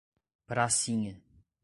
Pracinha